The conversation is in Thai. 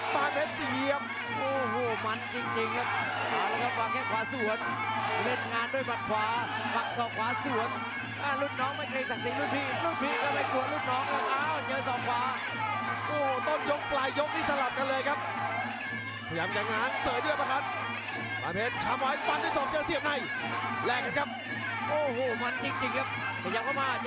ปานเพชรเสียบ